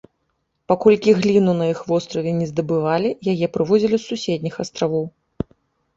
Паколькі гліну на іх востраве не здабывалі, яе прывозілі з суседніх астравоў.